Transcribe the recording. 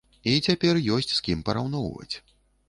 І цяпер ёсць з кім параўноўваць.